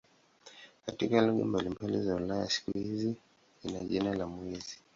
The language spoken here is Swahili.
Katika lugha mbalimbali za Ulaya siku hii ina jina la "mwezi".